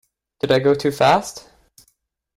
Did I go too fast?